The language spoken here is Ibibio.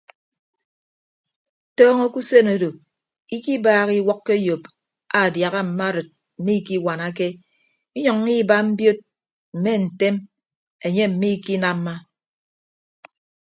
Tọọñọ ke usen odo ikibaaha iwʌkkọ eyop aadiaha mma arịd mmikiwanake inyʌññọ iba mbiod mme ntem enye mmikinamma.